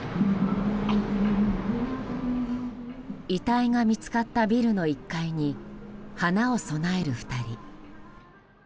遺体が見つかったビルの１階に花を供える２人。